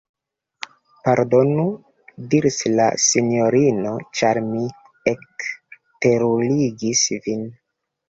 Pardonu! diris la sinjorino, ĉar mi ekterurigis vin.